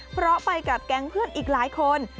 เพราะไปกับแก๊งเพื่อนอีกหลายคน